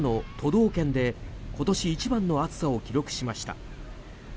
道県で今年一番の暑さを記録しました。